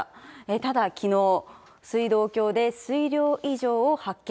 ただきのう、水道橋で水量異常を発見。